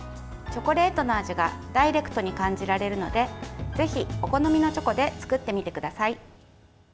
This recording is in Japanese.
チョコレートの味がダイレクトに感じられるのでぜひ、お好みのチョコで作ってみてください。